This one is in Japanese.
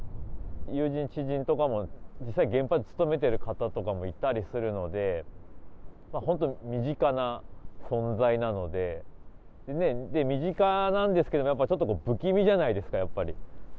友人、知人とかも実際、原発に勤めている方とかもいたりするので、本当、身近な存在なので、身近なんですけど、やっぱなんかちょっと不気味じゃないですか、やっぱり。